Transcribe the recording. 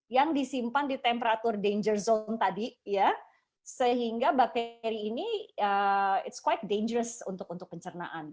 yang disimpan di suhu danger zone tadi sehingga bakteri ini cukup berbahaya untuk pencernaan